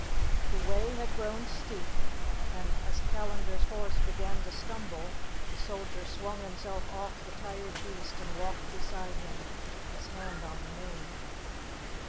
The way had grown steep, and as Callandar's horse began to stumble, the soldier swung himself off the tired beast and walked beside him, his hand on the mane.